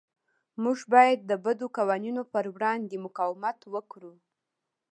موږ باید د بدو قوانینو پر وړاندې مقاومت وکړو.